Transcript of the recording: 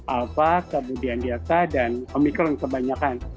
alfa kemudian lirta dan omikron kebanyakan